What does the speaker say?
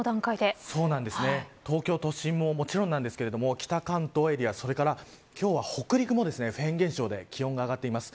東京都心も、もちろんですが北関東エリア、それから今日は北陸もフェーン現象で気温が上がっています。